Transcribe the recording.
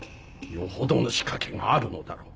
よほどの仕掛けがあるのだろう。